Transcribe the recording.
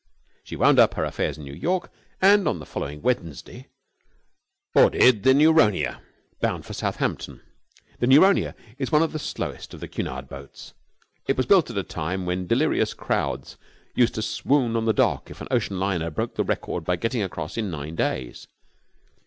She wound up her affairs in New York and, on the following Wednesday, boarded the Nuronia bound for Southampton. The Nuronia is one of the slowest of the Cunard boats. It was built at a time when delirious crowds used to swoon on the dock if an ocean liner broke the record by getting across in nine days.